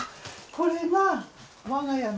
これが我が家の。